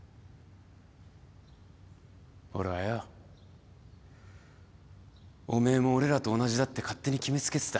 俺はよおめえも俺らと同じだって勝手に決め付けてた。